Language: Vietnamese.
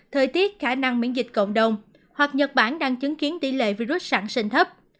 thời tiết khả năng miễn dịch cộng đồng hoặc nhật bản đang chứng kiến tỷ lệ virus sẵn sinh thấp